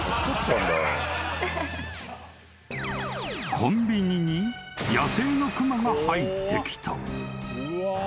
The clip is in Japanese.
［コンビニに野生の熊が入ってきた］